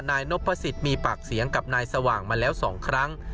นายนพสิทธิ์มีปากเสียงกับนายสว่างมาแล้ว๒ครั้ง